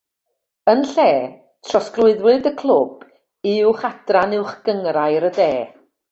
Yn lle, trosglwyddwyd y clwb i Uwch Adran Uwch Gynghrair y De.